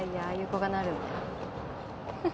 ああいう子がなるんだよ。